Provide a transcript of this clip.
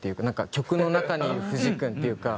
曲の中にいる藤くんっていうか。